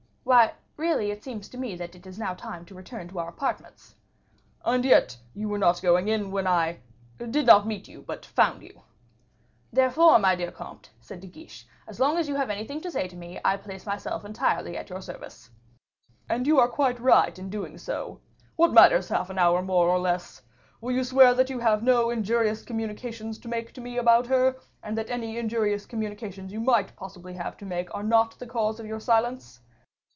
"Why, really, it seems to me that it is now time to return to our apartments." "And yet you were not going in when I did not meet, but found you." "Therefore, my dear comte," said De Guiche, "as long as you have anything to say to me, I place myself entirely at your service." "And you are quite right in doing so. What matters half an hour more or less? Will you swear that you have no injurious communications to make to me about her, and that any injurious communications you might possibly have to make are not the cause of your silence?"